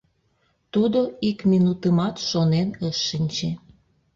Тудо ик минутымат шонен ыш шинче.